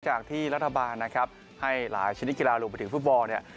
จากที่รัฐบาลนะครับให้หลายชนิดกีฬารวมไปถึงฟุตบอลเนี่ย